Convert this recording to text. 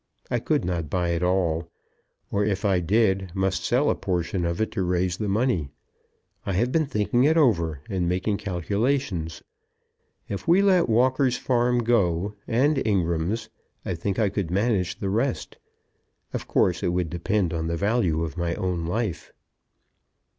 I could not buy it all; or if I did, must sell a portion of it to raise the money. I have been thinking it over and making calculations. If we let Walker's farm go, and Ingram's, I think I could manage the rest. Of course it would depend on the value of my own life."